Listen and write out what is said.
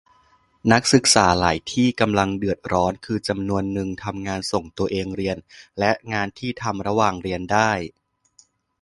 นักศึกษาหลายที่ก็กำลังเดือดร้อน คือจำนวนนึงทำงานส่งตัวเองเรียน และงานที่ทำระหว่างเรียนได้